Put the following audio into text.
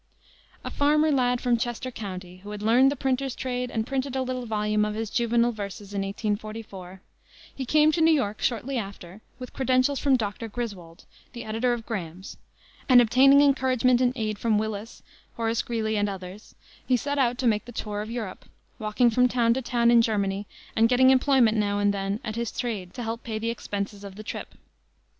A farmer lad from Chester County, who had learned the printer's trade and printed a little volume of his juvenile verses in 1844, he came to New York shortly after with credentials from Dr. Griswold, the editor of Graham's, and obtaining encouragement and aid from Willis, Horace Greeley and others, he set out to make the tour of Europe, walking from town to town in Germany and getting employment now and then at his trade to help pay the expenses of the trip.